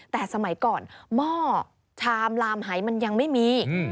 แต่สมัยก่อนหม้อชามลามหายมันยังไม่มี